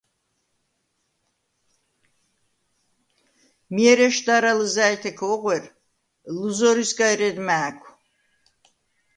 მი ერ ეშდარა ლჷზა̈ჲთექა ოღუ̂ერ, ლჷზორისგა ერედ მა̄̈ქუ̂: